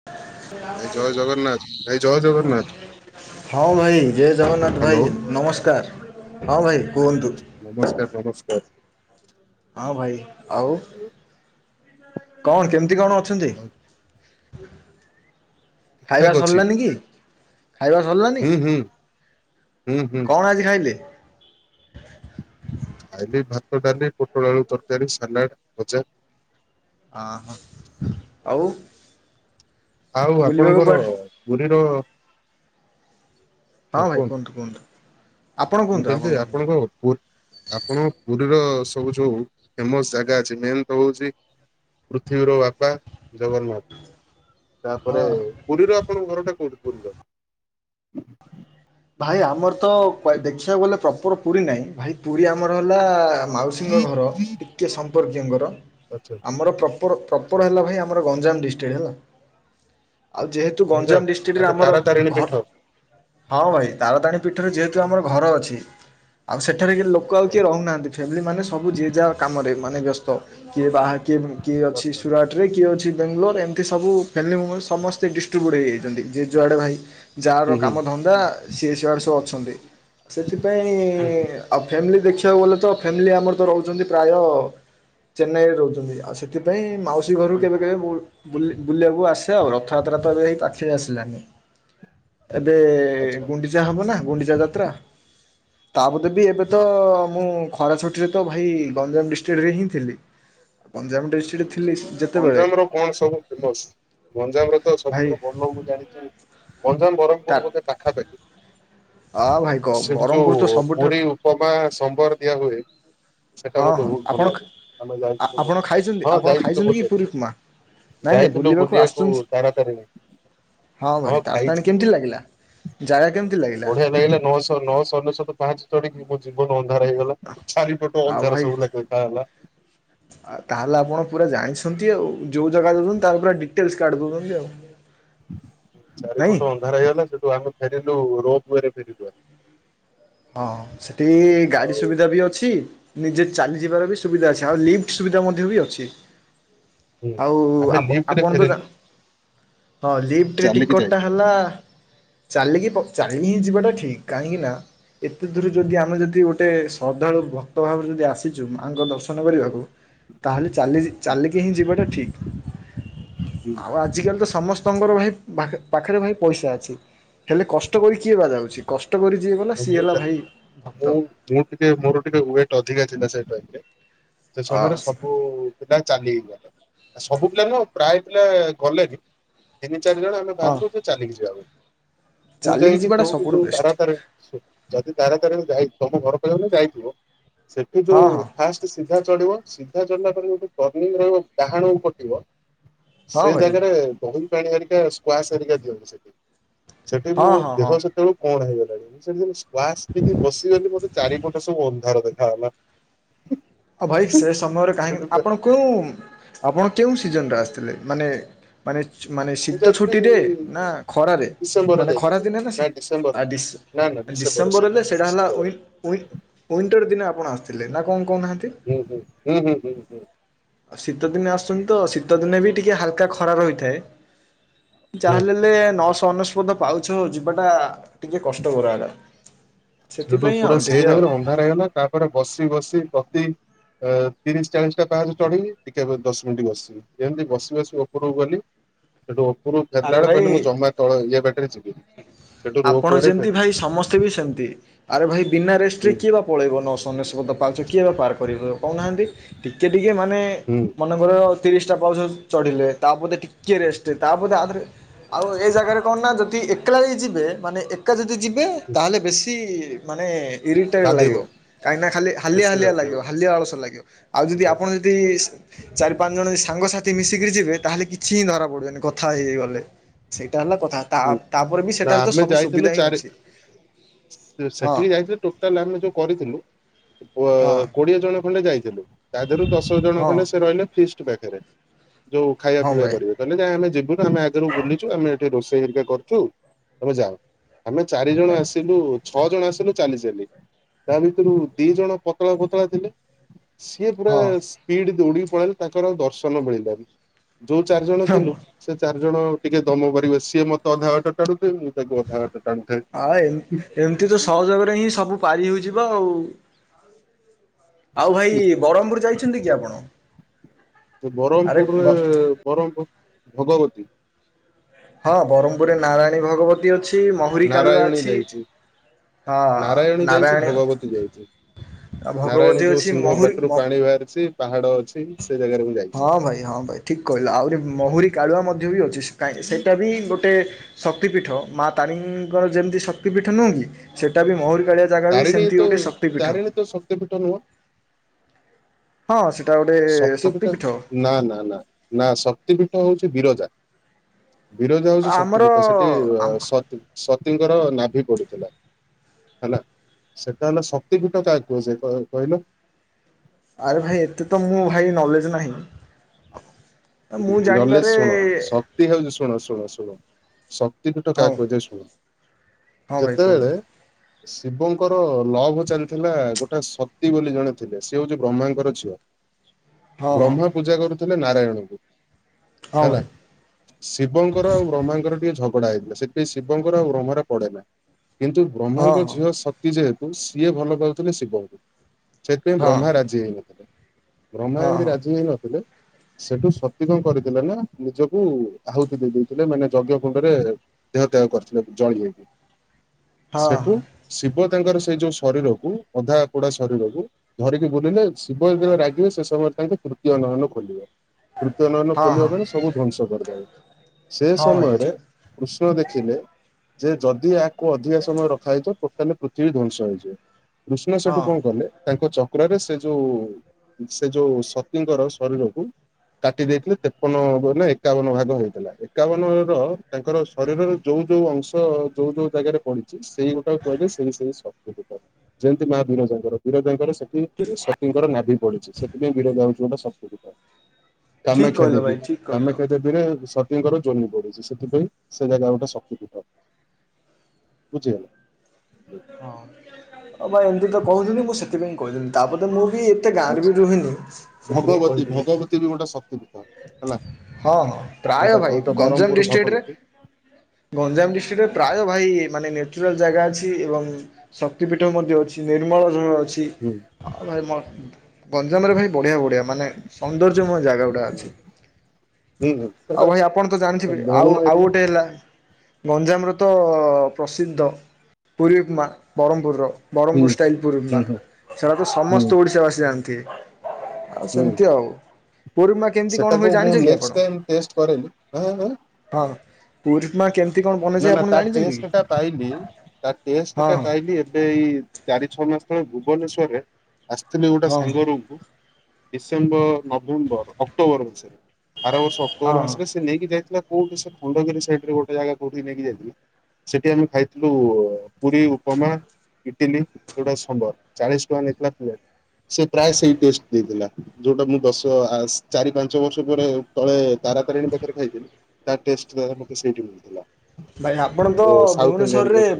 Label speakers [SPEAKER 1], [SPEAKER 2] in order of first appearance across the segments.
[SPEAKER 1] [inaudible]
[SPEAKER 2] ଭାଇ ଜୟ ଜଗନ୍ନାଥ। ଭାଇ ଜୟ ଜଗନ୍ନାଥ।
[SPEAKER 1] ହଁ ଭାଇ ଜୟ ଜଗନ୍ନାଥ,
[SPEAKER 2] ହ୍ୟାଲୋ
[SPEAKER 1] ଭାଇ ନମସ୍କାର। ହଁ ଭାଇ କୁହନ୍ତୁ?
[SPEAKER 2] ନମସ୍କାର ନମସ୍କାର
[SPEAKER 1] ହଁ ଭାଇ ଆଉ?
[SPEAKER 2] ହୁଁ।
[SPEAKER 1] କଣ କେମିତି କଣ ଅଛନ୍ତି?
[SPEAKER 2] ଠିକ
[SPEAKER 1] ଖାଇବା
[SPEAKER 2] ଠାକ ଅଛି
[SPEAKER 1] ସରିଲାନି କି। ଖାଇବା ସରିଲାନି?
[SPEAKER 2] ହୁଁ ହୁଁ ହୁଁ ହୁଁ
[SPEAKER 1] କଣ ଆଜି ଖାଇଲେ?
[SPEAKER 2] ଖାଇଲି ଭାତ, ଡାଲି, ପୋଟଳ ଆଳୁ ତରକାରୀ, ସାଲାଟ, ଭଜା।
[SPEAKER 1] ଅହଁ। ଆଉ?
[SPEAKER 2] ଆଉ
[SPEAKER 1] ବୁଲିବାକୁ
[SPEAKER 2] ଆପଣଙ୍କର
[SPEAKER 1] କୁଆଡ଼େ
[SPEAKER 2] ପୁରୀର ହଉ କୁହନ୍ତୁ?
[SPEAKER 1] ଆପଣ
[SPEAKER 2] ମୁଁ
[SPEAKER 1] କୁହନ୍ତୁ ଆପଣ
[SPEAKER 2] କହିଲି ଯେ,
[SPEAKER 1] କୁହନ୍ତୁ।
[SPEAKER 2] ଆପଣଙ୍କ ପୁ ଆପଣଙ୍କ ପୁରୀର ସବୁ ଯୋଉ ଫେମସ୍ ଜାଗା ଅଛି ମେନ୍ ତ ହଉଚି ପୃଥିବୀ ର ବାପା ଜଗନ୍ନାଥ୍। ତାପରେ
[SPEAKER 1] ହଁ।
[SPEAKER 2] ପୁରୀର ଆପଣଙ୍କ ଘର ଟା କୋଉଠି ପୁରୀର?
[SPEAKER 1] ଭାଇ ଆମର ତ ଦେଖିଆକୁ ଗଲେ ପ୍ରପର୍ ପୁରୀ ନାଇଁ ଭାଇ ପୁରୀ ଆମର ହେଲା ମାଉସୀଙ୍କ ଘର ଟିକେ ସମ୍ପକୀୟଙ୍କର
[SPEAKER 2] ଆଚ୍ଛା
[SPEAKER 1] ଆମର ପ୍ରପର୍
[SPEAKER 2] ଆଚ୍ଛା
[SPEAKER 1] ପ୍ରପର୍ ହେଲା ଭାଇ ଆ ମର ଗଞାମ ଡିଷ୍ଟିଡି୍ ହେଲା ଆଉ ଯେ ହେତୁ ଗଞ୍ଜାମ ଡିଷ୍ଟିଡି୍ ରେ
[SPEAKER 2] ମାନେ
[SPEAKER 1] ଆମର
[SPEAKER 2] ତାରା ତାରିଣୀ ପୀଠ
[SPEAKER 1] ଘ ହଁ ଭାଇ ତାରା ତାରିଣୀ ପୀଠରେ ଯେହେତୁ ଆମର ଘର ଅଛି ଆଉ ସେଠାରେ କି ଲୋକ ଆଉ
[SPEAKER 2] ଆଚ୍ଛା
[SPEAKER 1] କିଏ ରହୁନାହାନ୍ତି ଫ୍ୟାମିଲି ମାନେ ସବୁ ଯିଏ ଯାହା କାମରେ ମାନେ ବ୍ୟସ୍ତ। କିଏ ବାହା କିଏ କିଏ ଅଛି
[SPEAKER 2] ଆଚ୍ଛା।
[SPEAKER 1] ସୁରା ଟ୍ କିଏ ଅଛି ବେଙ୍ଗଲୋର୍ ଏମିତି ସବୁ ଫ୍ୟାମିଲ ମେମ୍ବର ସମସ୍ତେ ଡିଷ୍ଟ୍ରିବ୍ୟୁଡ୍ ହେଇଯାଇଚନ୍ତି ଯିଏ ଯୁଆଡେ ଭାଇ
[SPEAKER 2] ହୁଁ
[SPEAKER 1] ଯାଆର
[SPEAKER 2] ହୁଁ
[SPEAKER 1] କାମଧନ୍ଦା ସିଏ ସିଆଡେ ସବୁ ଅଛନ୍ତି ସେଥିପାଇଁ
[SPEAKER 2] ହୁଁ ହୁଁ
[SPEAKER 1] ଆଉ ଫ୍ୟାମିଲି୍ ଦେଖିଆକୁ ଗଲେ ତ ଫ୍ୟାମିଲି୍ ଆମର ତ ରହୁଚନ୍ତି ପ୍ରାୟ ଚେନ୍ନାଇରେ ରହୁଚନ୍ତି ଆଉ ସେଥିପାଇଁ ମାଉସୀ ଘରୁ
[SPEAKER 2] ହୁଁ।
[SPEAKER 1] କେବେ କେବେ ବୁଲି ବୁଲିଆକୁ ଆସେ ଆଉ ରଥଯାତ୍ରା ତ ଏବେ ହେଇ ପାଖେଇ ଆସିଲାନି ଏବେ
[SPEAKER 2] ଆଚ୍ଛା
[SPEAKER 1] ବେ ଗୁଣ୍ଡିଚା ହବ ନା ଗୁଣ୍ଡିଚା ଯାତ୍ରା ତା ବଦେ ବି ଏବେ ତ ମୁଁ ଖରା ଛୁଟିରେ ତ ଭାଇ ଗଞ୍ଜାମ ଡିଷ୍ଟିଡି୍ ରେ ହିଁ ଥିଲି ଗଞ୍ଜାମ ଡିଷ୍ଟି୍
[SPEAKER 2] ଗଞ୍ଜାମର କଣ ସବୁ ଫେମସ୍ ଗଞ୍ଜାମରେ ତ
[SPEAKER 1] ଭାଇ
[SPEAKER 2] ସବୁଠାରୁ ଭଲ ମୁଁ ଜାଣିଚି ଗଞ୍ଜାମ ବରହମ୍
[SPEAKER 1] ତା
[SPEAKER 2] ପୁର ବୋଧେ ପାଖାପାଖି।
[SPEAKER 1] ଆ ଭାଇ ଗ
[SPEAKER 2] ସେଠି
[SPEAKER 1] ବ୍ରହ୍ମପୁର
[SPEAKER 2] ଯୋଉ
[SPEAKER 1] ତ ସବୁଠାରୁ
[SPEAKER 2] ପୁରୀ ଉପମା ସମ୍ବର ଦିଆ ହୁଏ ସେଟା
[SPEAKER 1] ହଁ
[SPEAKER 2] ମତେ
[SPEAKER 1] ହଁ
[SPEAKER 2] ବହୁତ୍ ଭଲ
[SPEAKER 1] ଆପଣ
[SPEAKER 2] ଲାଗେ ଆମେ ଯାଇଥିଲୁୁ
[SPEAKER 1] ଆପଣ ଖାଇଛନ୍ତି
[SPEAKER 2] ହଁ
[SPEAKER 1] ଆପଣ
[SPEAKER 2] ଯାଇଥିଲୁ
[SPEAKER 1] ଖାଇଛନ୍ତି କି ପୁରୀ
[SPEAKER 2] ବୁଲିଆକୁ
[SPEAKER 1] ଉପମା? ନାଇଁ ନାଇଁ
[SPEAKER 2] ଯାଇଥିଲୁ ବୁଲିବାକୁ
[SPEAKER 1] ଆସୁଛନ୍ତି
[SPEAKER 2] ତାରା ତାରିଣୀ।
[SPEAKER 1] ହଁ ଭାଇ ତାର୍ ତାରିଣୀ କେମିତି ଲାଗିଲା? ଯାଗା କେମିତି ଲାଗେ?
[SPEAKER 2] ବଢିଆ ଲାଗିଲା ନଅଶହ ନଅଶହ ଅନେଶୋତ ପାହାଚ ଚଢିକି ମୋ ଜୀବନ ଅନ୍ଧାର ହେଇଗଲା। ଛାରି ପଟ
[SPEAKER 1] ଆଉ
[SPEAKER 2] ଅନ୍ଧାର ସବୁ ଲ ଦେଖା ଗଲା।
[SPEAKER 1] ଆଉ ତାହେଲେ ଆପଣ ପୁରା ଜାଣିସନ୍ତି ଆଉ ଯୋଉ ଯାଗା ଯାଉଛନ୍ତି ତାର ପୁରା ଡିଟେଲ୍ସ କାଢ଼ି ଦଉଚନ୍ତି ଆଉ। ହ [inaudible]
[SPEAKER 2] ଚାରିପଟ ଅନ୍ଧାର ହେଇଗଲା ସେଠୁ ଆମେ ଫେରିଲୁ ରୋପ୍ ରେ [inaudible] ଫେରିଲୁ।
[SPEAKER 1] ହଁ ସେଠି ଗାଡ଼ି ସୁବିଧା
[SPEAKER 2] ଆଉ
[SPEAKER 1] ବି ଅଛି ନିଜେ ଚାଲିଯିବାର ବି ସୁବିଧା ଅଛି ଆଉ ଲିଫ୍ଟ୍ ସୁବିଧା ମଧ୍ୟ ବି ଅଛି। ଆଉ
[SPEAKER 2] ଆମେ
[SPEAKER 1] ଆପ
[SPEAKER 2] ଲିଫ୍ଟ ରେ
[SPEAKER 1] ଆପଣ ଜା
[SPEAKER 2] ଫେରିଲୁ
[SPEAKER 1] ହଁ ଲିଫ୍ଟ୍ ର
[SPEAKER 2] ଚାଲିକି
[SPEAKER 1] ଟିକଟ୍ ଟା ହେଲା ଚାଲିକି ପ ଚାଲି ହିଁ ଯିବାଟା ଠିକ୍ କାହିଁକି ନା ଏତେ ଦୂରୂ ଯଦି ଆମେ ଯଦି ଗୋ ଟେ ଶ୍ରଦ୍ଧାଳୁ ଭକ୍ତ ଭାବରେ ଯଦି ଆସିଚୁ ମାଆଙ୍କ ଦର୍ଶନ କରିବାକୁ ତାହେଲେ
[SPEAKER 2] ଯାଇଥିଲୁ।
[SPEAKER 1] ଚାଲି ଚାଲିକି ହିଁ ଯିବାଟା ଠିକ୍ ଆଉ ଆଜିକାଲି ତ ସମ ସ୍ତ ଙ୍କର ଭାଇ ବା ପାଖରେ ଭାଇ ପଇସା ଅଛି ହେଲେ କଷ୍ଟ କରି କିଏ ବା ଯାଉଚି କଷ୍ଟ କରି ଯିଏ ଗଲା
[SPEAKER 2] ତ
[SPEAKER 1] ସିଏ
[SPEAKER 2] ମୁଁ
[SPEAKER 1] ହେଲା
[SPEAKER 2] ଯା
[SPEAKER 1] ଭାଇ
[SPEAKER 2] ମୁଁ
[SPEAKER 1] ଭକ୍ତ।
[SPEAKER 2] ମୁଁ ଟିକେ ମୋର ଟିକେ ୱେଟ୍ ଅଧିକା ଥିଲା ସେ ଟାଇମ୍ ରେ ସେ
[SPEAKER 1] ଅ
[SPEAKER 2] ସମୟରେ ସବୁ ପିଲା ଚାଲିକି ଗଲେ ସବୁ ପିଲା ନୁହଁ ପ୍ରାୟ ପିଲା ଗଲେନି ତିନି ଚାରି ଜଣ ଆମେ ଆମ୍
[SPEAKER 1] ହଁ
[SPEAKER 2] କହୁଛୁ [inaudible] ଚାଲିକି ଯିବାକୁ ମୁଁ
[SPEAKER 1] ଚାଲିକି
[SPEAKER 2] ଯାଇକି
[SPEAKER 1] ଯିବାଟା
[SPEAKER 2] ଯୋଉଠି
[SPEAKER 1] ସବୁଠୁ
[SPEAKER 2] ଯୋଉ
[SPEAKER 1] ବେଷ୍ଟ।
[SPEAKER 2] ତାରା ତାରିଣୀ ସେ ଯଦି ତାରା ତାରିଣୀ ଯାଇ ତମ ଘର ପାଖରେ ହେଲେ ଯାଇଥିବ ସେଠି
[SPEAKER 1] ହଁ
[SPEAKER 2] ଯୋଉ
[SPEAKER 1] ହଁ
[SPEAKER 2] ଫାଷ୍ଟ୍ ସିଧା ଚଢିବ ସିଧା ଚଢିଲା ପରେ ଗୋଟେ ଟରନିଙ୍ଗ୍ ରହିବ ଡାହାଣକୁୁ କଟିବ
[SPEAKER 1] ହଁ
[SPEAKER 2] ସେ
[SPEAKER 1] ଭାଇ
[SPEAKER 2] ଜାଗାରେ ଦହିପାଣି ହରିକା ସ୍କାସ୍‌ ହରିକା ଦିଅନ୍ତ ସେଠି। ସେଠି
[SPEAKER 1] ହଁ
[SPEAKER 2] ମୋ
[SPEAKER 1] ହଁ
[SPEAKER 2] ଦେହ
[SPEAKER 1] ହଁ
[SPEAKER 2] ସେତବେଳକୁ କଣ ହେଇଗଲାଣି ସେଠି ଯୋଉ କ୍ୱାସ ପି କି ବସିଗଲି ମୋତେ ଚାରିପଟ ସବୁ ଅନ୍ଧାର ଦେଖାଗଲା।
[SPEAKER 1] ଆଉ ଭାଇ ସେ ସମୟରେ କାହିଁକି
[SPEAKER 2] ସେଠୁ ତ
[SPEAKER 1] ଆପଣ କୋଉଁ ଆପଣ କେଉଁ ସିଜନ୍ ରେ ଆସିଥିଲେ ମାନେ ମାନେ ଛ ମାନେ
[SPEAKER 2] ମୁଁ
[SPEAKER 1] ଶୀତ
[SPEAKER 2] ଯାଇଥିଲି
[SPEAKER 1] ଛୁଟିରେ, ନା ଖରାରେ,
[SPEAKER 2] ଡିସେମ୍ବରରେ
[SPEAKER 1] ମାନେ ଖରା
[SPEAKER 2] ଯାଇଥିଲି
[SPEAKER 1] ଦିନେ ନା ଶୀ
[SPEAKER 2] ଡିସେମ୍ବର
[SPEAKER 1] ଆ ଡିସ୍
[SPEAKER 2] ନା ନା ଡିସେମ୍ବର ଶୀତ
[SPEAKER 1] ଡିସେମ୍ବରଜେ ସେରା ହେଲା ୱି
[SPEAKER 2] ଶୀତବେଳେ
[SPEAKER 1] ୱି ୱିଣ୍ଟର ଦିନେ ଆପଣ ଆସିଥିଲେ ନା କଣ କହୁନାହାନ୍ତି?
[SPEAKER 2] ହୁଁ, ହୁଁ, ହୁଁ, ହୁଁ, ହୁଁ, ହୁଁ।
[SPEAKER 1] ଶୀତ ଦିନେ ଆସୁଛନ୍ତି ତ, ଶୀତ ଦିନେ ବି ଟିକେ ହାଲ୍‌କା ଖରା ରହିଥାଏ।
[SPEAKER 2] ହୁଁ
[SPEAKER 1] ଯାହାଲେଲେ ନଅଶ ଅନେଶୋଦ ପାଉଛ ଯିବାଟା ଟିକେ କଷ୍ଟ ଗୁୁରା ଏଗା।
[SPEAKER 2] ସେଠୁ ପୁରା ସେ ଜାଗାରୁ ଅନ୍ଧାର ହେଇଗଲା ତାପରେ ବସି ବସି ପତି ଆ ତିରିଶ ଚାଳିଶଟା ପାହାଚ ଚଢିକି ଟିକେ ଦଶ୍ ମିଣ୍ଟି ବସିବୁ। ଏମିତି ବସି ବସି ଉପରକୁ ଗଲି ସେଠୁ ଉପରୁ ଫରିଲା
[SPEAKER 1] ଆରେ
[SPEAKER 2] ବେଳେ କହିଲେ ମୁଁ
[SPEAKER 1] ଭାଇ
[SPEAKER 2] ଜମା ତଳ ଇଏ ବାଟରେ ଯିବିନି। ସେଠୁ ରୋପ
[SPEAKER 1] ଆପଣ
[SPEAKER 2] ୱେରେ
[SPEAKER 1] ଯେମତି
[SPEAKER 2] ଫେରିଲି
[SPEAKER 1] ଭାଇ ସମସ୍ତେ ବି ସେମିତି। ଆରେ ଭାଇ ବିନା ରେଷ୍ଟରେ
[SPEAKER 2] ହୁଁ
[SPEAKER 1] କିଏ ବାପ୍ ପଳେଇବ ନଅଶ ଅନେଶୋତ ପାହାଚ କିଏ ବା ପାର କରେଇବ କହୁନାହାନ୍ତି ଟିକେ ଟିକେ ମାନେ
[SPEAKER 2] ହୁଁ।
[SPEAKER 1] ମନେକର ତିରିଟା ପାଉସ ଚଢିଲେ ତାପରେ ଟିକେ ରେଷ୍ଟ ତାପରେ ଆଉ ଆରେ ଆଉ ଏ ଜାଗାରେ କଣ ନା ଯଦି ଏକଲା ହି ଯିବେ ମାନେ ଏକା ଯଦି ଯିବେ ତାହେଲେ ବେଶୀ ତି ମାନେ ଇରିଟେଡ୍‌
[SPEAKER 2] ବାଧିବ
[SPEAKER 1] ଲାଗିବ, କାହିଁକିନା ଖାଲି ହାଲିଆ
[SPEAKER 2] ବେଶୀ
[SPEAKER 1] ହାଲିଆ
[SPEAKER 2] ବାଧିବ
[SPEAKER 1] ଲାଗିବ, ହାଲିଆ ଆଳସୁଆ ଲାଗିବ ଆଉ ଯଦି
[SPEAKER 2] ବାସ୍।
[SPEAKER 1] ଆପଣ ଯ ଦି ଚାରି ପାଞ୍ଚ ଜଣ ସାଙ୍ଗସାଥି ମିଶିକିରି ଯିବେ ତାହେଲେ କିଛି ଧରାପଡିବନି କଥା ହେଇ ହେଇ ଗଲ୍ ଲେ ସେଇଟା ହେଲା କଥା। ତା ତାପରେ ବି
[SPEAKER 2] ନା
[SPEAKER 1] ସେଠାରେ ତ
[SPEAKER 2] ଆମେ
[SPEAKER 1] ସବୁ
[SPEAKER 2] ଯାଇଥିଲୁ
[SPEAKER 1] ସୁବିଧା ହିଁ
[SPEAKER 2] ଚାରି
[SPEAKER 1] ଅଛି ହଁ।
[SPEAKER 2] ସେଠିକି ଯାଇଥିଲୁ ଟୋଟାଲ ଆମେ ଯୋଉ କରିଥିଲୁ
[SPEAKER 1] ହଁ
[SPEAKER 2] ୱ କୋଡିଏ ଜଣ ଖଣ୍ଡେ ଯାଇଥିଲୁ। ତା ଧେରୁ ଦଶ ଜଣ
[SPEAKER 1] ହଁ
[SPEAKER 2] ଖଣ୍ଡେ ସେ ରହିଲେ ଫିଷ୍ଟ ପାଖେରେ ଯୋଉ ଖାଇବା
[SPEAKER 1] ହଁ
[SPEAKER 2] ପିଇବା
[SPEAKER 1] ଭାଇ
[SPEAKER 2] କରିବେ। କହିଲେ ନା ଆମେ ଯିବୁନୁ ଆମେ ଆଗରୁ ବୁଲିଛୁ। ଆମେ ଏଠି ରୋଷେଇ ଘରିକା କରୁଛୁ। ତମେ ଯାଅ। ଆମେ ଚାରି ଜଣ ଆସିଲୁ ଛଅ ଜଣ ଆସିଲୁ ଚାଲି ଚାଲି। ତା ଭିତରୁ ଦି ଜଣ ପତଳା ପତଳା ଥିଲେ। ସିଏ ପୁରା
[SPEAKER 1] ହଁ
[SPEAKER 2] ସ୍ପିଡ ଦୌଡିିକି ପଳେଇଲେ। ତାଙ୍କର ଆଉ ଦର୍ଶନ ମିଳିଲାନି। ଯୋଉ ଚାରି ଜଣ ଥିଲୁ ସେ ଚାରି ଜଣ ଟିକେ ଦମ ବାରି ବସ୍। ସିଏ ମତେ ଅଧାବାଟ ଟାଡୁଥାଏ। ମୁଁ ତାକୁ ଅଧା ବାଟ ଟାଣୁଥାଏ।
[SPEAKER 1] ହଁ ଏମ୍ ଏମତି ତ ସହଯୋଗରେ ହିଁ ସବୁ ପାରି ହୋଇଯିବ ଆଉ। ଆଉ ଭାଇ ବରମ୍ପୁର ଯାଇଛନ୍ତି କି ଆପଣ?
[SPEAKER 2] ସେ ବରମ୍
[SPEAKER 1] ଆରେ
[SPEAKER 2] ପୁରରେ ବରମ୍‌ପୁର ଭଗବତୀ।
[SPEAKER 1] ହଁ ବରମ୍ ପୁରରେ ନାରାୟଣୀ ଭଗବତୀ ଅଛି। ମହୁରୀ କାଳୁଆ
[SPEAKER 2] ନାରାୟଣୀ
[SPEAKER 1] ଅଛି।
[SPEAKER 2] ଯାଇଚି।
[SPEAKER 1] ହଁ
[SPEAKER 2] ନାରାୟଣୀ ଯାଇଛି ଭଗବତୀ ଯାଇଚି। ନାରାୟଣୀ
[SPEAKER 1] ଭଗବତୀ
[SPEAKER 2] ଯୋଉ
[SPEAKER 1] ଅଛି
[SPEAKER 2] ସିଂହ ପାଟିରୁ
[SPEAKER 1] ମହୁରୀ
[SPEAKER 2] ପାଣି ବାହାରିଛି, ପାହାଡ ଅଛି ସେ ଜାଗାରେ ଯାଇଛି।
[SPEAKER 1] ହଁ ଭାଇ ହଁ ଭାଇ ଠିକ୍ କହିଲ। ଆହୁରି ମହୁରୀ କାଳୁଆ ମଧ୍ୟ ବି ଅଛି। କାହିଁକି ସେଟା ବି ଗୋଟେ ଶକ୍ତିପୀଠ ମା ତାରିଙ୍କର ଯେମତି ଶକ୍ତିପୀଠ ନୁହଁ କି? ସେଟା ବି ମହୁରୀକାଳିଆ ଜାଗା ବି
[SPEAKER 2] ତାରିଣୀ
[SPEAKER 1] ସେମତି
[SPEAKER 2] ତ
[SPEAKER 1] ଗୋଟେ ଶକ୍ତିପୀଠ।
[SPEAKER 2] ତାରିଣୀ ତ ଶକ୍ତିପୀଠ ନୁହଁ,
[SPEAKER 1] ହଁ ସେଇଟା ଗୋଟେ
[SPEAKER 2] ଶକ୍ତି ପୀଠ
[SPEAKER 1] ଶକ୍ତିପୀଠ
[SPEAKER 2] ନା ନା ନା। ନା, ଶକ୍ତିପୀଠ ହଉଚି ବିରଜା। ବିରଜା ହଉଚି
[SPEAKER 1] ଆମର
[SPEAKER 2] ଶକ୍ତିପୀଠ, ସେଠି
[SPEAKER 1] ଆମ
[SPEAKER 2] ସତୀଙ୍କର ନାଭି ପଡିଥିଲା। ହେଲା, ସେଟା ହେଲା ଶକ୍ତିପୀଠ କାହାକୁ କୁହାଯାଏ କ‌ହି କହିଲ?
[SPEAKER 1] ଆରେ ଭାଇ, ଏତେ ତ ମୁଁ ଭାଇ ନଲେଜ ନାହିଁ। ମୁଁ
[SPEAKER 2] ନଲେଜ
[SPEAKER 1] ଜାଣିବାରେ
[SPEAKER 2] ଶୁଣ, ଶକ୍ତି ହଉଚି ଶୁଣ, ଶୁଣ, ଶୁଣ ଶକ୍ତି ପୀଠ
[SPEAKER 1] ହଉ
[SPEAKER 2] କାହାକୁ କୁହାଯାଏ, ଶୁଣ ଯେତେବେଳେ
[SPEAKER 1] ଁ [inaudible]
[SPEAKER 2] ଶିବଙ୍କର ଲଭ ଚାଲିଥିଲା ଗୋଟେ ଶକ୍ତିବୋଲି ଜଣେ ଥିଲେ, ସିଏ ହଉଛି ବ୍ରହ୍ମାଙ୍କର ଝିଅ
[SPEAKER 1] [inaudible] ହଁ
[SPEAKER 2] ବ୍ରହ୍ମା ପୂଜା କରୁଥିଲେ ନାରାୟଣଙ୍କୁ
[SPEAKER 1] ହଁ
[SPEAKER 2] ହେଲା।
[SPEAKER 1] ଭାଇ
[SPEAKER 2] ଶିବଙ୍କର ଆଉ ବ୍ରହ୍ମାଙ୍କର ଟିକେ ଝଗଡା ହେଇଥିଲା, ସେଥିପାଇଁ ଶିବଙ୍କର ଆଉ ବ୍ରହ୍ମାର ପଡେନା କିନ୍ତୁ
[SPEAKER 1] ହଁ
[SPEAKER 2] ବ୍ରହ୍ମାଙ୍କ ଝିଅ ସତୀ ଯେହେତୁ ସିଏ ଭଲ ପାଉଥିଲେ ଶିବଙ୍କୁ, ସେଥିପାଇଁ
[SPEAKER 1] ହଁ
[SPEAKER 2] ବ୍ରହ୍ମାରାଜି ହେଇନଥିଲେ,
[SPEAKER 1] ହଁ
[SPEAKER 2] ବ୍ରହ୍ମା
[SPEAKER 1] ହଁ ହଁ
[SPEAKER 2] ଯେମିତି
[SPEAKER 1] ହଁ
[SPEAKER 2] ରାଜି ହେଇ ନଥିଲେ, ସେଠୁ ସତୀ ସତୀ କଣ କରିଥିଲେ ନା ନିଜକୁ ଆହୁତି ଦେଇ ଦେଇଥିଲେ ମାନେ ଯଜ୍ଞ କୁଣ୍ଡରେ। ଦେହତ୍ୟାଗ କରିଥିଲେ, ଜଳିଯାଇଥିଲେ
[SPEAKER 1] ହଁ
[SPEAKER 2] ସେଠୁ ଶିବ ତାଙ୍କର ସେଇ ଯୋଉ ଶରୀରକୁ ଅଧା ପୋଡା ଶରୀରକୁ ଧରିକି ବୁଲିଲେ, ଶିବ ଯେତେବେଳେ ରାଗିବେ ସେ ସମୟରେ ତାଙ୍କ ତୃତୀୟ ନୟନ ଖୋଲିବ। ତୃତୀୟ ନୟନ
[SPEAKER 1] ହଁ
[SPEAKER 2] ଖୋଲିବ ମାନେ ସବୁ ଧ୍ବଂସ କରିଦେବେ। ସେ
[SPEAKER 1] ହଁ ହଁ ଭାଇ
[SPEAKER 2] ସମୟରେ
[SPEAKER 1] ଠିକ୍
[SPEAKER 2] କୃଷ୍ଣ ଦେଖିଲେ, ଯେ ଯଦି ଏହାକୁ ଅଧିକା ସମୟ ରଖା ହେଇଚ ଟୋଟାଲେ ପୃଥିବୀ ଧ୍ଵଂସ ହେଇଯିବ। କୃଷ୍ଣ
[SPEAKER 1] ହଁ
[SPEAKER 2] ସେଠୁ କଣ କଲେ ତାଙ୍କ ଚକ୍ରରେ, ସେ ଯୋଉ, ସେ ଯୋଉ ସତୀଙ୍କର ଶରୀରକୁ କାଟି ଦେଇଥିଲେ, ତେପନ ବୋଲେ ଏକାବନ ଭାଗ ହେଇଥିଲା, ଏକାବନ ର ତାଙ୍କର ଶରୀରର ଯୋଉ ଯୋଉ ଅଂଶ ଯୋଉ ଯୋଉ ଜାଗାରେ ପଡ଼ିଛି ସେଇ ଗୋଟାକୁ କୁହାଯାଏ ସେଇ ସେଇ ଶକ୍ତି ପିଠ। ଯେମିତି ମା ବୀରଜାଙ୍କର, ବୀରଜାଙ୍କର ସେମିତି କିନ୍ତୁସତୀଙ୍କର ନାଭିି ପଢିଛି ସେଥିପାଇଁ ବୀରଜା ହେଉଛି ଗୋଟ ଶକ୍ତିପିଠ।
[SPEAKER 1] ଠିକ୍
[SPEAKER 2] କାମାକ୍ଷା
[SPEAKER 1] କହିଲ
[SPEAKER 2] ଦେବି,
[SPEAKER 1] ଭାଇ ଠିକ୍ କହିଲ
[SPEAKER 2] କାମାକ୍ଷା ଦେବି ରେ ସତୀଙ୍କର ଜୋନି ପଡିଚି ସେଥିପାଇଁ ସେ ଜାଗା ଗୋଟେ ଶକ୍ତିପୀଠ। ବୁଝିଗଲ?
[SPEAKER 1] ହଁ ଅବ ଏମିତି ତ କହୁଚନ୍ତି ମୁଁ ସେଥିପାଇଁ କହିଲି, ତାପରେତ ମୁଁ ବି ଗାଁରେ ବି
[SPEAKER 2] ଆଛା
[SPEAKER 1] ରୁହେନି, ସେଥିପାଇଁ
[SPEAKER 2] ଭଗବତୀ
[SPEAKER 1] କହିଦେଲି।
[SPEAKER 2] ଭଗବତୀ ବି ଗୋଟେ ଶକ୍ତିପୀଠ ହେଲା
[SPEAKER 1] ହଁ ହଁ ପ୍ରାୟ
[SPEAKER 2] ଯୋଉଟା
[SPEAKER 1] ଭାଇ,
[SPEAKER 2] କହୁଛ
[SPEAKER 1] ଗଞ୍ଜାମ
[SPEAKER 2] ବ୍ରହ୍ମପୁର
[SPEAKER 1] ଡିଷ୍ଟ୍ରିକଟରେ
[SPEAKER 2] ଭଗବତୀ
[SPEAKER 1] ଗଞ୍ଜାମ ଡିଷ୍ଟ୍ରିକ୍ଟରେ ପ୍ରାୟ ଭାଇ ମାନେ ନ୍ୟେଚୁରାଲ ଜାଗା ଅଛି। ଅଛି ଏବଂ ଶକ୍ତିପୀଠ ମଧ୍ୟ ଅଛି ନିର୍ମଳ ଜଳ ଅଛି।
[SPEAKER 2] ହୁଁ
[SPEAKER 1] ଆଉଭାଇମ ଗଞ୍ଜାମରେ ଭାଇ, ବଢ଼ିଆ, ବଢ଼ିଆ ମାନେ ସୌନ୍ଦର୍ଯ୍ୟମୟ ଜାଗା ଗୁଡ଼ା
[SPEAKER 2] ହୁଁ
[SPEAKER 1] ଅଛି।
[SPEAKER 2] ହୁଁ ହୁଁ।
[SPEAKER 1] ଆଉ
[SPEAKER 2] ସେଟା
[SPEAKER 1] ଭାଇ ଆପଣ ତ ଜାଣିଥିବେ, ଆଉ,
[SPEAKER 2] ବଣୁଆ
[SPEAKER 1] ଆଉ
[SPEAKER 2] ଏରିଆ
[SPEAKER 1] ଗୋଟେ ହେଲା ଗଞ୍ଜାମର ତ ପ୍ରସିଦ୍ଧ ପୁରୀମ୍ୱା ବ୍ରହ୍ମପୁରର।
[SPEAKER 2] ହୁଁ
[SPEAKER 1] ବ୍ରହ୍ମପୁର ଷ୍ଟାଇଲ
[SPEAKER 2] ହୁଁ
[SPEAKER 1] ପୁରୁମ୍ୱା
[SPEAKER 2] ହୁଁ
[SPEAKER 1] ସେଟା ତ
[SPEAKER 2] ହୁଁ
[SPEAKER 1] ସମସ୍ତେ ଓଡିଶାବାସୀ ଯାଣିଥିବେ? ଆଉ
[SPEAKER 2] ହୁଁ
[SPEAKER 1] ସେମିତି ଆଉ ପୂରୁମ୍ୱା କି
[SPEAKER 2] ସେଟାକୁ ମୁଁ
[SPEAKER 1] ଆପଣ?
[SPEAKER 2] ମିକ୍ସ ପାଇଁ ଟେଷ୍ଟ କରେନି, ହା-ହା।
[SPEAKER 1] ହଁ ପୁରୀମ୍ୱା, କେମିତି କଣ
[SPEAKER 2] ନା
[SPEAKER 1] ବନାଯାଏ,
[SPEAKER 2] ନା
[SPEAKER 1] ଆପଣ
[SPEAKER 2] ତା
[SPEAKER 1] ଜାଣି ଚନ୍ତି
[SPEAKER 2] ଟେଷ୍ଟ
[SPEAKER 1] କି?
[SPEAKER 2] ଟା ପାଇଲି, ତା ଟେଷ୍ଟ
[SPEAKER 1] ହଁ
[SPEAKER 2] ଟା
[SPEAKER 1] ହଁ
[SPEAKER 2] ପାଇଲି ଏବେ ଏଇ ଚାରି ଛଅ ମାସ ତଳେ ଭୁବନେଶ୍ଵରେ। ଆସିଥିଲି ଗୋଟେ
[SPEAKER 1] ହଁ
[SPEAKER 2] ସାଙ୍ଗ ରୁମକୁ ଡିସେମ୍ବର, ନଭେମ୍ବର, ଅକ୍ଟୋବର ମାସରେ, ଆର ବର୍ଷ ଅକ୍ଟୋବର
[SPEAKER 1] ହଁ ହଁ
[SPEAKER 2] ମାସରେ ସେ ସେ ନେଇକି ଯାଇଥିଲା କୋଉଠି ସେ ଖଣ୍ଡଗିରି ସାଇଡର ଗୋଟେ ଜାଗା କୋଉଠି ନେଇକି ଯାଇଥିଲା। ସେଠି ଆମେ ଖାଇଥିଲୁ, ପୁରୀ ଉପମା ଇଟିଲି ଏ ଗୋଟାଏ ସମ୍ବର ଚାଳିଶି ଟଙ୍କା ନେଇଥିଲା ପ୍ଲେଟ। ସେ ପ୍ରାୟ ସେଇ ଟେଷ୍ଟ ଦେଇଥିଲା। ଯୋଉଟା ମୁଁ ଦଶ ଆଉ ଚାରି ପାଞ୍ଚ ବର୍ଷ ପରେ ଥରେ ତାରାତାରିଣୀ ପାଖରେ ଖାଇଥିଲି। ତା ଟେଷ୍ଟ ମତେ ସେଇଠି ମିଳିଥିଲା।
[SPEAKER 1] ଭାଇ ଆପଣତ
[SPEAKER 2] ସାଉଥ ଇଣ୍ଡିଆନ
[SPEAKER 1] ଭୁବନେଶ୍ୱରରେ,
[SPEAKER 2] ରେଷ୍ଟ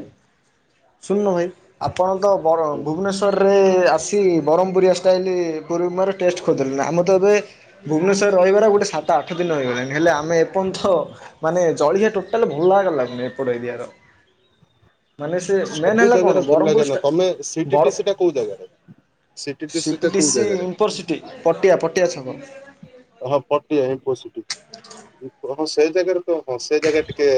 [SPEAKER 1] ଶୁଣୁନ ଭାଇ। ଆପଣ ତ ବ
[SPEAKER 2] ହୁଁ
[SPEAKER 1] ଭୁବନେଶ୍ଵରରେ ଆସି ବ୍ରହ୍ମପୁରିଆ ଷ୍ଟାଇଲ ପୁରୁମ୍ବା ର ଟେଷ୍ଟ କରିଦେଲେ ନା ଆମ ତ ଏବେ ଭୁବନେଶ୍ୱର ରହିବାର ଗୋଟେ ସାତ ଆଠ ଦିନ ରହିଗଲାଣି ହେଲେ ଆମେ ଏପଯ୍ୟନ୍ତ ମାନେ ଜଳିଆ ଟୋଟାଲ [unintelligible] ଏପଟ ଏରିଆର। ମାନେ ସେ ମେନ୍
[SPEAKER 2] ସବୁ
[SPEAKER 1] ହେଲା କଣ
[SPEAKER 2] ଜାଗାରେ ଭଲ ଲାଗେ
[SPEAKER 1] ବ୍ରହ୍ମପୁର
[SPEAKER 2] ନା ତମେ
[SPEAKER 1] ସ୍ଟା
[SPEAKER 2] ସିଟିଟି
[SPEAKER 1] ବରମ୍
[SPEAKER 2] ସେଟା କୋଉ ଜାଗାରେ ସିଟିଟି ସେଟା କୋଉ
[SPEAKER 1] ସିଦିକିସି
[SPEAKER 2] ଜାଗାରେ
[SPEAKER 1] ଇନଫରସିଟି ପଟିଆ ପଟିଆ ଛକ
[SPEAKER 2] ହଁ ପଟିଆ ଇନଫୋସିଟି। ହଁ ସେ ଜାଗାରେ ତ ହଁ ସେ ଜାଗା ଟିକେ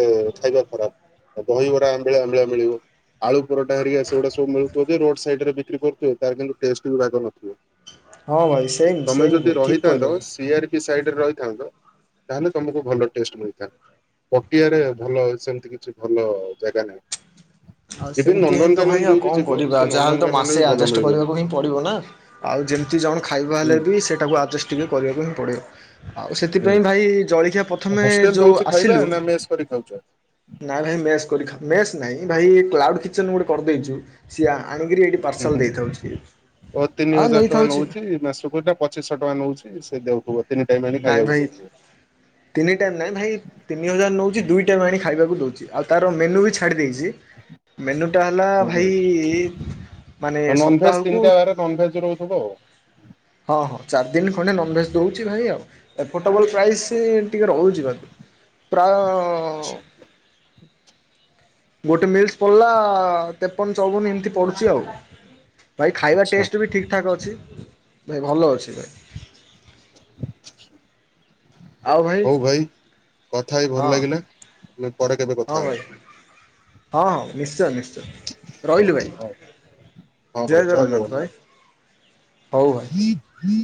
[SPEAKER 2] ଖାଇବା ଖରାପ ଦହିବରା ଆମ୍ବିଳା ଆମ୍ବିଳା ମିଳିବ। ଆଳୁ ପରଟା ହେରିକଆ ସେଗୁଡ଼ା ସବୁମିଳୁଥିବ ଯେ ରୋଡ଼ ସାଇଡରେ ବିକ୍ରି କରୁଥିବ ତାର କିନ୍ତୁ ଟେଷ୍ଟ ବି ବାଗ ନଥିବ।
[SPEAKER 1] ହଁ ଭାଇ ସେଇ ସେଇ ଭାଇ ଠିକ କହିଲ ଭାଇ।
[SPEAKER 2] ସି ଆର ପି ସାଇଡରେ ରହିଥାନ୍ତ ତାହେଲେ ତମକୁ ଭଲ ଟେଷ୍ଟ ମିଳିଥା ପଟିଆ ରେ ଭଲ ସେମିତି କିଛି ଭଲ ଜାଗା ନାହିଁ।
[SPEAKER 1] ଆଉ
[SPEAKER 2] ଇଭିନ୍
[SPEAKER 1] ସେମିତି ହିଁ ତ
[SPEAKER 2] ନନ୍ଦନକାନନ
[SPEAKER 1] ଭାଇ ଆଉ
[SPEAKER 2] ଯୋଉ ବି
[SPEAKER 1] କଣ
[SPEAKER 2] ଯିବ
[SPEAKER 1] କରିବା
[SPEAKER 2] ସେ
[SPEAKER 1] ଯାହେଲେ
[SPEAKER 2] ନନ୍ଦନକାନନରେ
[SPEAKER 1] ମାସେ
[SPEAKER 2] ବି ଭଲ
[SPEAKER 1] ଆଜେଷ୍ଟ
[SPEAKER 2] ମିଳିବନି
[SPEAKER 1] କରିବାକୁ ହିଁ ପଡିବ ନା। ଆଉ ଯେମିତି ଜଣ ଖାଇବା ହେଲେ
[SPEAKER 2] ହୁଁ।
[SPEAKER 1] ବି ସେଇଟାକୁ ଆଜେଷ୍ଟ ଟିକେ କରିବାକୁ ହିଁ ପଡ଼ିବ। ଆଉ
[SPEAKER 2] ହୁଁ
[SPEAKER 1] ସେଥିପାଇଁ ଭାଇ ଜଳଖିଆ ପ୍ରଥମେ
[SPEAKER 2] ହଷ୍ଟେଲ
[SPEAKER 1] ଯୋଉ
[SPEAKER 2] ଦଉଛି ଖାଇବା
[SPEAKER 1] ଆସିଲୁ
[SPEAKER 2] ନା ମେସ୍ କରି ଖାଉଛ?
[SPEAKER 1] ନାଇଁ ଭାଇ ମେସ୍ କରିଖାଉ ମେସ୍ ନାଇଁ ଭାଇ କ୍ଲାଉଟ୍ କିଚେନ ଗୋଟେ କରିଦେଇଛୁ ସିଆ ଆଣିକିରି ଏଇଠି
[SPEAKER 2] ହୁଁ
[SPEAKER 1] ପାର୍ସଲ୍
[SPEAKER 2] ହୁଁ
[SPEAKER 1] ଦେଇଦଉଛି ଆଁ ନେଇଥାଉଛି
[SPEAKER 2] ଇ ନାସୁକୁଟା ପଚିଶହ ଟଙ୍କା ନେଉଛି ସେ ଦେଉଥିବ
[SPEAKER 1] ନାଇଁ ଭାଇ ତିନି ଟା ନାଇଁ ଭାଇ ତିନି ହଜାର ନଉଛି ଦୁଇଟାକୁ ଆଣି ଖାଇବାକୁ ଦଉଛି ଆଉ ତାର ମେନୁ ବି ଛାଡ଼ି ଦେଇଛି ମେନୁ ଟା ହେଲା ଭାଇ ମାନେ
[SPEAKER 2] ଆ ନନଭେଜ୍
[SPEAKER 1] ସପ୍ତାହକୁ
[SPEAKER 2] ତିନିଟା ବାର ନନଭେଜ୍ ରହୁଥିବ ଆଉ।
[SPEAKER 1] ହଁ ହଁ ଚାର୍ ଦିନ୍ ଖଣ୍ଡେ ନନଭେଜ୍ ଦଉ ଛି ଭାଇ ଆଉ ଏପଟବଲ୍ ପ୍ରାଇଜ୍ ସେ ଟିକେ ରହୁଛି ଭାଇ ପ୍ରାୟ
[SPEAKER 2] ଆଚ୍ଛା।
[SPEAKER 1] ଗୋଟେ ମିଲ୍ସ ପଡି଼ଲା ତେପନ୍ ଚଉବନ୍ ଏମିତି ପଡ଼ୁଛି ଆଉ। ଭାଇ ଖାଇବା
[SPEAKER 2] ଆଚ୍ଛା
[SPEAKER 1] ଟେଷ୍ଟ ବି ଠିକ୍ ଠାକ୍ ଅଛି ଭାଇ ଭଲ ଅଛି ଭାଇ।
[SPEAKER 2] ହଉ ଭାଇ କଥା ହେଇ
[SPEAKER 1] ହଁ
[SPEAKER 2] ଭଲ ଲାଗିଲା। ଆମେ ପରେ କେବେ
[SPEAKER 1] ହଁ
[SPEAKER 2] କଥା
[SPEAKER 1] ଭାଇ
[SPEAKER 2] ହେବା।
[SPEAKER 1] ହଁ ନିଶ୍ଚୟ ନିଶ୍ଚୟ
[SPEAKER 2] ହଉ
[SPEAKER 1] ରହିଲି ଭାଇ।
[SPEAKER 2] ହଉ ହଁ ଭାଇ
[SPEAKER 1] ଜୟ ଜଗନ୍ନାଥ ଭାଇ ହଉ। ଭାଇ।
[SPEAKER 2] ଜଗନ୍ନାଥ।